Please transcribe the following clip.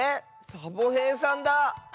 サボへいさんだ。